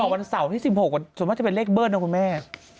วันเสาร์ที่๑๖ส่วนมากจะเป็นเลขเบิ้ลนะคุณแม่